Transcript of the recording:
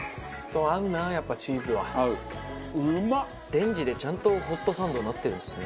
レンジでちゃんとホットサンドになってるんですね。